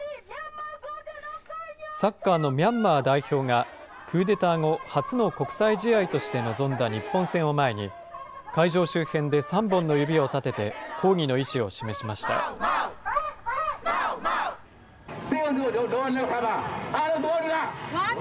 サッカーのミャンマー代表が、クーデター後、初の国際試合として臨んだ日本戦を前に、会場周辺で３本の指を立てて、抗議の意思を示しました。